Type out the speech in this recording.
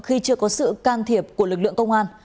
khi chưa có sự can thiệp của lực lượng công an